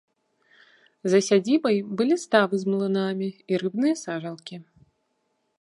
За сядзібай былі ставы з млынамі і рыбныя сажалкі.